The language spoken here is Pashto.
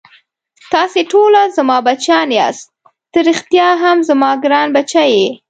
تاسې ټوله زما بچیان یاست، ته ريښتا هم زما ګران بچی یې.